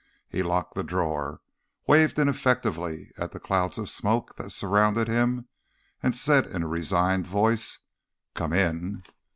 He locked the drawer, waved ineffectively at the clouds of smoke that surrounded him, and said in a resigned voice: "Come in."